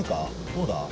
どうだ？